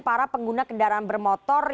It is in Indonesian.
para pengguna kendaraan bermotor